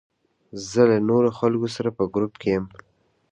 زه له نورو خلکو سره په ګروپ کې یم.